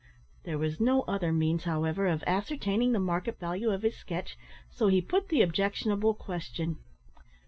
There was no other means, however, of ascertaining the market value of his sketch, so he put the objectionable question.